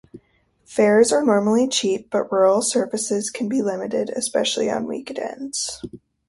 Fares are normally cheap, but rural services can be limited, especially on weekends.